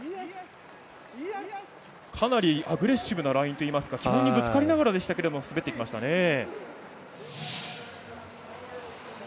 かなりアグレッシブなラインといいますか旗門にぶつかりながらですけど滑ってきましたね。